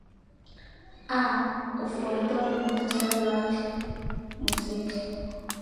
a ufuatao ni muhtasari wake muziki